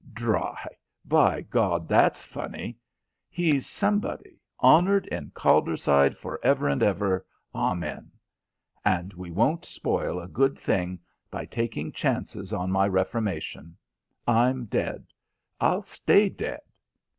Dry! By God, that's funny! He's somebody, honoured in Calderside for ever and ever, amen. And we won't spoil a good thing by taking chances on my reformation. I'm dead. I'll stay dead."